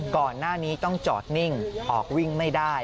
ก่อนหน้านี้ต้องจอดนิ่งออกวิ่งไม่ได้